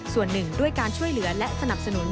ส่วนหนึ่งด้วยการช่วยเหลือและสนับสนุน